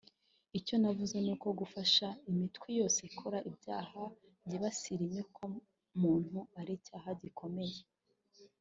“Icyo navuze ni uko gufasha imitwe yose ikora ibyaha byibasira inyoko muntu ari icyaha gikomeye